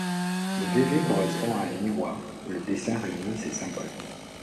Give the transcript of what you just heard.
Le vévé correspond à un lwa, le dessin réunit ses symboles.